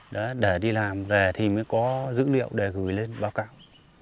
đấy để đi làm về thì mới có dữ liệu để gửi lên báo cáo